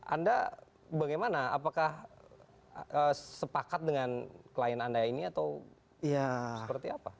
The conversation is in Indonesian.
anda bagaimana apakah sepakat dengan klien anda ini atau seperti apa